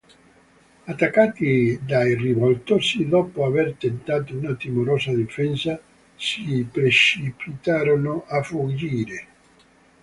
Attaccati dai rivoltosi dopo aver tentato una timorosa difesa si precipitarono a fuggire.